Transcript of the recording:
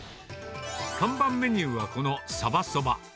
看板メニューは、この鯖そば。